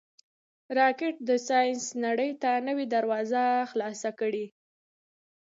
راکټ د ساینس نړۍ ته نوې دروازه خلاصه کړې